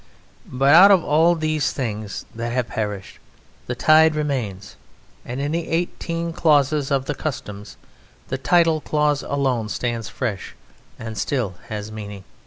But out of all these things that have perished, the tide remains, and in the eighteen clauses of the Customs, the tidal clause alone stands fresh and still has meaning.